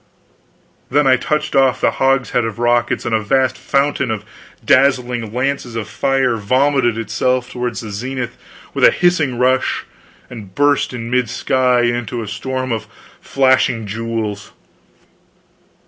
Then I touched off the hogshead of rockets, and a vast fountain of dazzling lances of fire vomited itself toward the zenith with a hissing rush, and burst in mid sky into a storm of flashing jewels!